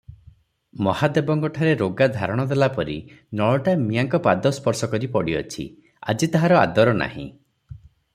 ମହାଦେବଙ୍କଠାରେ ରୋଗା ଧାରଣ ଦେଲାପରି ନଳଟା ମିଆଁଙ୍କ ପାଦ ସ୍ପର୍ଶକରି ପଡ଼ିଅଛି, ଆଜି ତାହାର ଆଦର ନାହିଁ ।